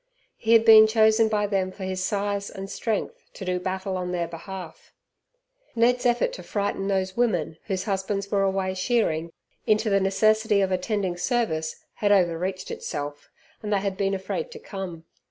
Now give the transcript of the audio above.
He had been chosen by them for his size and strength to do battle on their behalf. Ned's effort to frighten those women whose husbands were away shearing into the necessity of attending service had over reached itself, and they had been afraid to come.